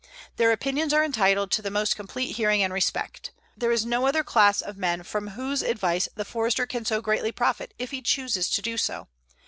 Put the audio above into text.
Their opinions are entitled to the most complete hearing and respect. There is no other class of men from whose advice the Forester can so greatly profit if he chooses to do so.